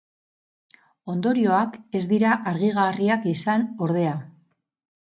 Ondorioak ez dira argigarriak izan, ordea.